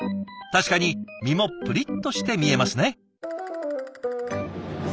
確かに身もぷりっとして見えますね。